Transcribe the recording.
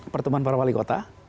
pertemuan para wali kota